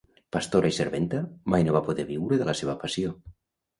Pastora i serventa, mai no va poder viure de la seva passió.